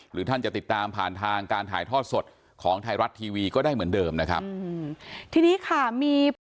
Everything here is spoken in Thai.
ท่านจะติดตามผ่านทางการถ่ายทอดสดของไทยรัฐทีวีก็ได้เหมือนเดิมนะครับ